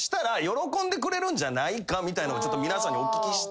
みたいなのをちょっと皆さんにお聞きしたいなと。